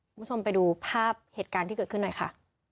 คุณผู้ชมไปดูภาพเหตุการณ์ที่เกิดขึ้นหน่อยค่ะ